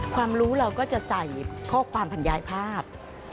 ความรู้เราก็จะใส่ข้อความบรรยายภาพ